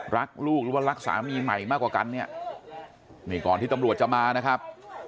รักลูกหรือว่ารักสามีใหม่มากกว่ากันเนี่ยนี่ก่อนที่ตำรวจจะมานะครับ